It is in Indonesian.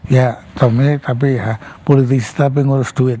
ya tommy tapi ya politisi tapi ngurus duit